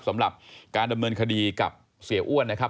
สำหรับการดำเนินคดีกับเสียอ้วนนะครับ